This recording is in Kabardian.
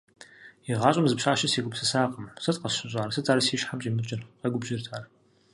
ИгъащӀэм зы пщащэ сегупсысакъым, сыт къысщыщӀар, сыт ар си щхьэм щӀимыкӀыр? - къэгубжьырт ар.